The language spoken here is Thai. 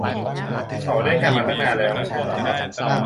เขาเล่นกันมาตั้งนานแล้วไม่ใช่เหรอ